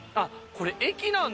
これ駅なんだ。